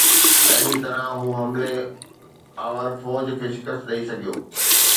اهڙيءَ طرح هو حملي آور فوج کي شڪست ڏئي سگهيو